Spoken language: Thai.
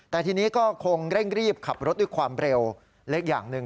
แต่ทีนี้ก็คงเร่งรีบขับรถด้วยความเร็วเล็กอย่างหนึ่ง